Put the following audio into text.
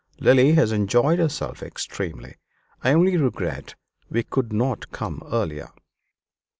"Lily has enjoyed herself extremely. I only regret we could not come earlier."